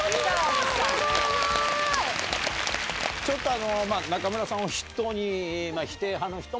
ちょっと中村さんを筆頭に。